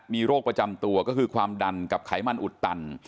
มีโรคประจำตัวก็คือความดันกับไขมันอุดตัน